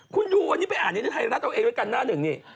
คุณดูวันนี้ไปอ่านในไทยรัฐเอาเองด้วยกันหน้าหนึ่งนี่